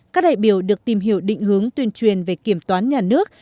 các đại biểu được tìm hiểu định hướng tuyên truyền về kiểm toán nhà nước